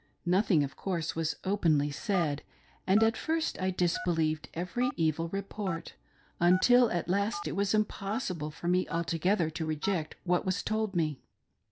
Nothing, of course, was openly said, and at iirst I disbelieved every evil report, until at last it was impossible for me altogether to reject what was told me.